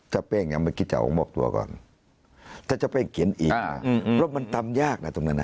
เจ้าแป้งยังไม่คิดจะมอบตัวก่อนถ้าเจ้าแป้งเขียนเองนะเพราะมันทำยากนะตรงนั้นนะ